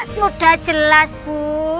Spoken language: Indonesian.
sudah jelas bu